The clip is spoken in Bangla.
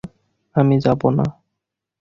আমি যাব না।